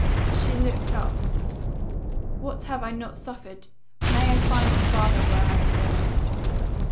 She looked up: 'What have I not suffered! may I find a father where I am going!